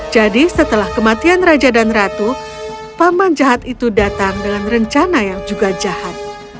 jadi setelah kematian raja dan ratu paman jahat itu datang dengan rencana yang juga jahat